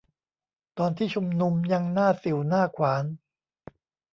ตอนที่ชุมนุมยังหน้าสิ่วหน้าขวาน